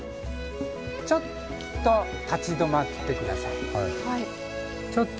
ちょっと立ち止まって下さい。